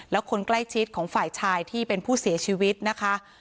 แล้วคนใกล้ชิดของฝ่ายชายที่เป็นผู้เสียชีวิตนะคะ